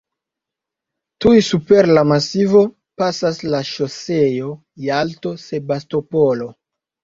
Tuj super la masivo pasas la ŝoseo Jalto-Sebastopolo.